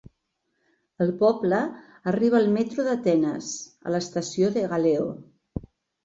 Al poble arriba el metro d'Atenes, a l'estació d'Egaleo.